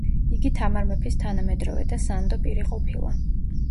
იგი თამარ მეფის თანამედროვე და სანდო პირი ყოფილა.